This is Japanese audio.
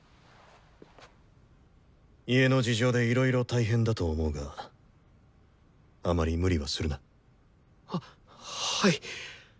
家の事情でいろいろ大変だと思うがあまり無理はするな。ははい！